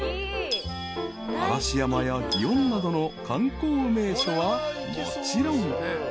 ［嵐山や祇園などの観光名所はもちろん］